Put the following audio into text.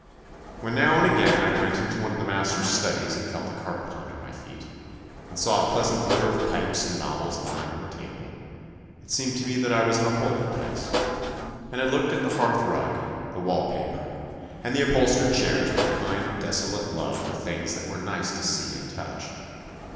When now and again I went into one of the master's studies and felt a carpet under my feet, and saw a pleasant litter of pipes and novels lying on the table, it seemed to me that I was in a holy place, and I looked at the hearthrug, the wallpaper, and the upholstered chairs with a kind of desolate love for things that were nice to see and touch.